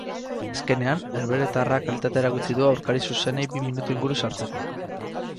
Azkenean, herbeheratarrak kalitatea erakutsi du aurkari zuzenei bi minutu inguru sartzeko.